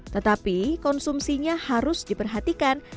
tetapi konsumsinya harus diperhatikan